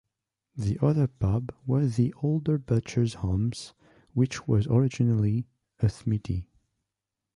The other pub was the older Butchers Arms, which was originally a smithy.